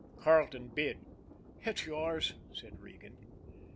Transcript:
Carleton bid. "It's yours," said Regan.